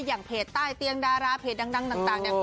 อย่างเพจใต้เตียงดาราเพจดังต่างเนี่ย